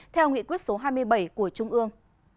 theo nghị quyết số hai mươi bảy của trung ương